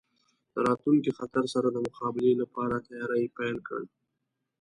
د راتلونکي خطر سره د مقابلې لپاره تیاری پیل کړ.